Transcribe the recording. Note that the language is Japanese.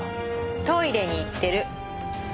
トイレに行ってる。